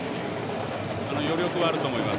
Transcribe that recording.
余力はあると思います。